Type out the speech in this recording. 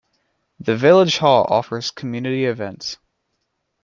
The village hall offers community events.